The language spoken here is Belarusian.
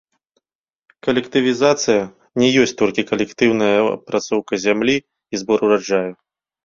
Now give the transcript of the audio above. Калектывізацыя не ёсць толькі калектыўная апрацоўка зямлі і збор ураджаю.